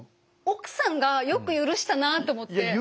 奥さんがよく許したなと思って。